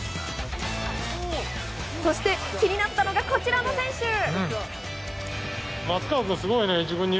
そして、気になったのがこちらの選手。